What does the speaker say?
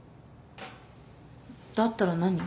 だったら何？